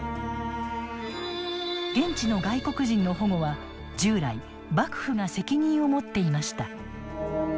現地の外国人の保護は従来幕府が責任を持っていました。